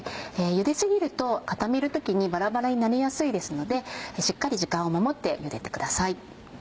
ゆで過ぎると固める時にバラバラになりやすいですのでしっかり時間を守ってゆでてください。